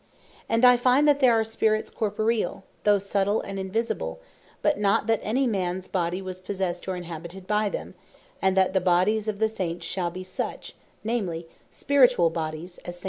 And I find that there are Spirits Corporeal, (though subtile and Invisible;) but not that any mans body was possessed, or inhabited by them; And that the Bodies of the Saints shall be such, namely, Spirituall Bodies, as St. Paul calls them.